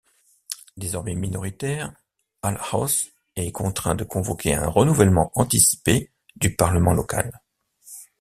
Désormais minoritaire, Ahlhaus est contraint de convoquer un renouvellement anticipé du Parlement local.